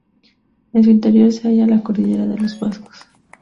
En su interior, se halla la Cordillera de los Vosgos.